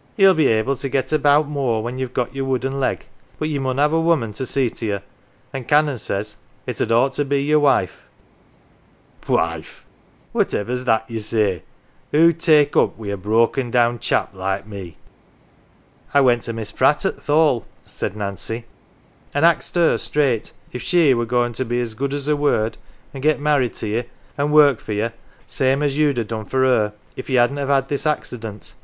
" Ye'll be able to get about more when you've got your wooden leg. But ye mun have a woman to see to ye, an 1 Canon says it had ought to be your wife !"" Wife ! Whativer's that ye say ? Who'd take up wi' a broken down chap like me ?"' I went to Miss Pratt at th' Hall,"" said Nancy, " and axed her straight if she were goin 1 to be's good as her word an" 1 get married to ye, an' work for ye, same as you'd ha' done for her, if ye hadn't have had this accident.